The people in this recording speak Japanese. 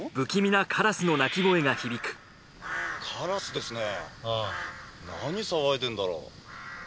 なに騒いでんだろう？